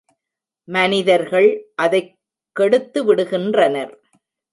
மனிதர்கள் அதைக் கெடுத்து விடுகின்றனர்.